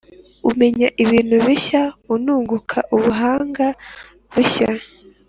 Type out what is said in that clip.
Umenya ibintu bishya ununguka ubuhanga bushya